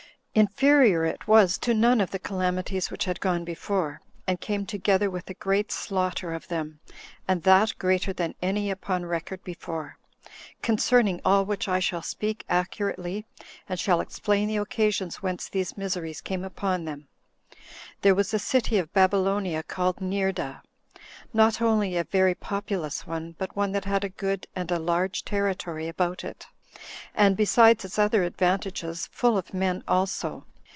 Inferior it was to none of the calamities which had gone before, and came together with a great slaughter of them, and that greater than any upon record before; concerning all which I shall speak accurately, and shall explain the occasions whence these miseries came upon them. There was a city of Babylonia called Neerda; not only a very populous one, but one that had a good and a large territory about it, and, besides its other advantages, full of men also.